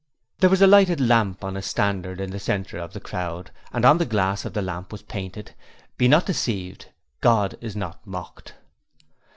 There was a lighted lamp on a standard in the centre of the crowd and on the glass of this lamp was painted: 'Be not deceived: God is not mocked.'